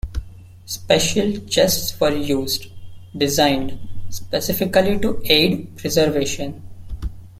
Special chests were used, designed specifically to aid preservation.